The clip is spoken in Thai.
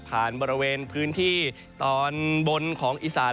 บริเวณพื้นที่ตอนบนของอีสาน